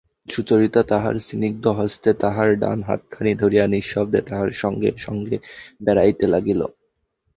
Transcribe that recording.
সুচরিতা তাহার স্নিগ্ধ হস্তে তাঁহার ডান হাতখানি ধরিয়া নিঃশব্দে তাঁহার সঙ্গে সঙ্গে বেড়াইতে লাগিল।